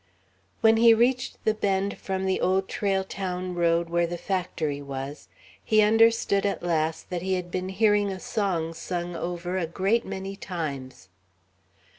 When he reached the bend from the Old Trail to the road where the factory was, he understood at last that he had been hearing a song sung over a great many times.